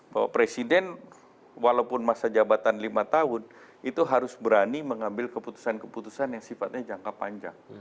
bahwa presiden walaupun masa jabatan lima tahun itu harus berani mengambil keputusan keputusan yang sifatnya jangka panjang